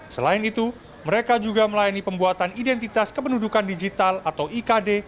selain itu mereka juga melayani pembuatan identitas kependudukan digital atau ikd